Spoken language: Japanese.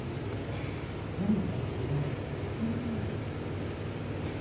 ラインからずれないようにして下さい。